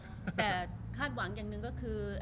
รูปนั้นผมก็เป็นคนถ่ายเองเคลียร์กับเรา